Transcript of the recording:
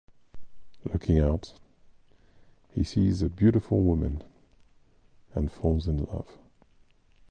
Looking out, he sees a beautiful woman, and falls in love.